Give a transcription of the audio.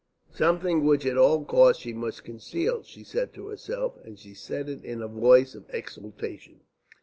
"Something which at all costs she must conceal," she said to herself, and she said it in a voice of exultation.